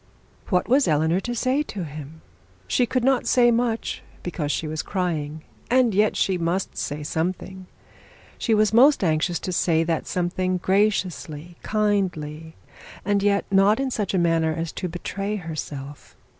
What was Eleanor to say to this? She could not say much, because she was crying, and yet she must say something. She was most anxious to say that something graciously, kindly, and yet not in such a manner as to betray herself.